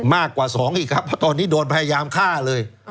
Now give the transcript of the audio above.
มากกว่า๒อีกครับเพราะตอนนี้โดนพยายามฆ่าเลย